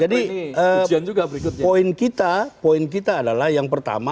jadi poin kita adalah yang pertama